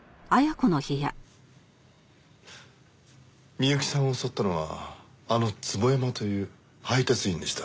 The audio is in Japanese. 美由紀さんを襲ったのはあの坪山という配達員でした。